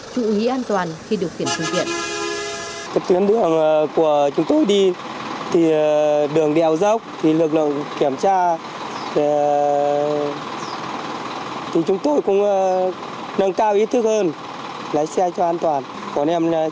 chú ý an toàn khi điều khiển thực hiện